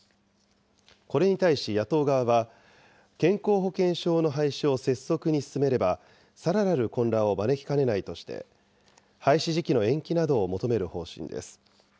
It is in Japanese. これに対し野党側は、健康保険証の廃止を拙速に進めれば、さらなる混乱を招きかねないとして、廃止時期の延期などを求める方針です。